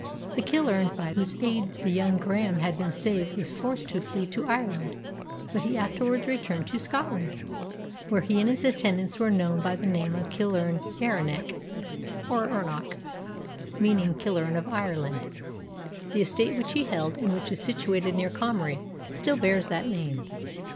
The Killearn by whose aid the young Graham had been saved was forced to flee to Ireland, but he afterwards returned to Scotland, where he and his attendants were known by the name of "Killearn Eirinich" (or Ernoch), meaning Killearn of Ireland. The estate which he held, and which is situated near Comrie, still bears that name.